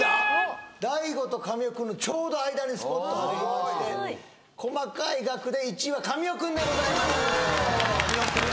大悟と神尾くんのちょうど間にスポッと入りまして細かい額で１位は神尾くんでございます神尾くん